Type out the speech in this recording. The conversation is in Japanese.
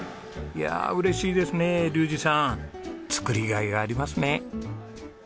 いやあ嬉しいですね竜士さん。作りがいがありますね。